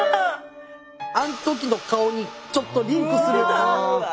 あん時の顔にちょっとリンクする。